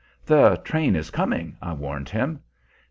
"The train is coming," I warned him.